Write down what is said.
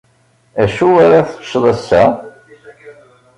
Acu ara teččeḍ ass-a?